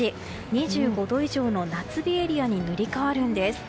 ２５度以上の夏日エリアに塗り替わるんです。